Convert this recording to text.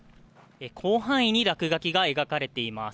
広範囲に落書きが描かれています。